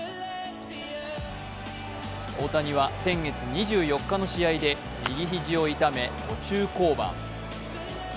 大谷は先月２４日の試合で、右肘を痛め途中降板。